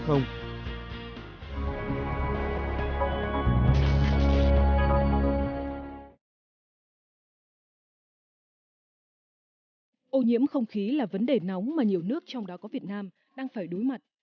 ô nhiễm không khí là vấn đề nóng mà nhiều nước trong đó có việt nam đang phải đối mặt